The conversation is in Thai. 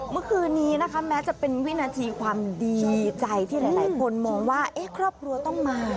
เมื่อคืนนี้นะคะแม้จะเป็นวินาทีความดีใจที่หลายคนมองว่าครอบครัวต้องมา